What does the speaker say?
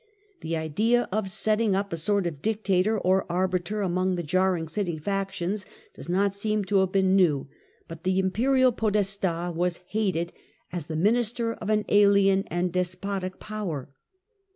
The idea of setting up a sort of dictator as arbiter among the jarring city factions does not seem to have been new, but the imperial podesta was hated as the minister of an alien and despotic power.